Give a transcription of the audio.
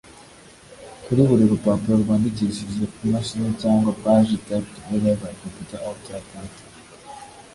kuri buri rupapuro rwandikishije imashini cyangwa page typed whether by computer or typewriter